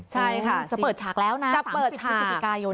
ใช่ค่ะจะเปิดฉากแล้วนะจะเปิดพฤศจิกายน